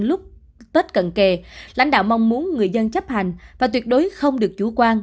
lúc tết cận kề lãnh đạo mong muốn người dân chấp hành và tuyệt đối không được chủ quan